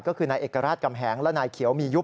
ก็คือนายเอกราชกำแหงและนายเขียวมียุบ